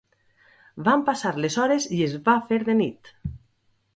Van passar les hores i es va fer de nit.